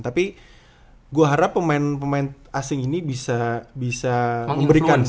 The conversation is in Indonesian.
tapi gue harap pemain pemain asing ini bisa memberikan semangat